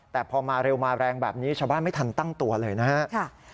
แต่พอมาเร็วมาแรงแบบนี้ชาวบ้านไม่ทันตั้งตัวเลยนะครับ